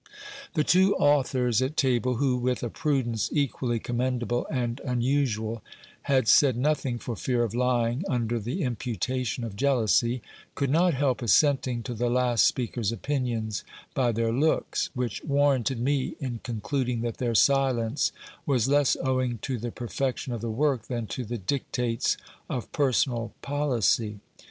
The two authors at table, who, with a prudence equally commendable and unusual, had said nothing for fear of lying under the imputation of jealousy, could not help assenting to the last speaker's opinions by their looks ; which warranted me in concluding that their silence was less owing to the perfection of the work than to the dictates of personal policy.